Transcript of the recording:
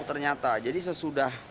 ternyata jadi sesudah